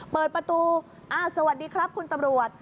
เปิดประตูสวัสดีครับคุณตรวจ